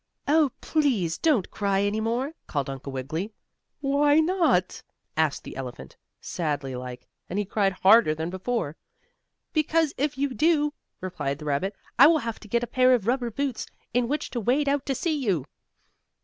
"Oh, please don't cry any more!" called Uncle Wiggily. "Why not?" asked the elephant, sadly like, and he cried harder than before. "Because if you do," replied the rabbit, "I will have to get a pair of rubber boots, in which to wade out to see you."